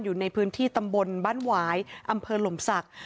อยู่ในพื้นที่ตำบลบ้านหวายอำเภอหลมศักดิ์